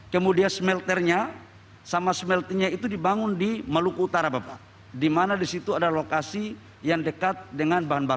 khususnya keperluan ekonomi dan teknologi